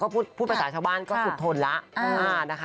พูดภาษาชาวบ้านก็สุดทนแล้วนะคะ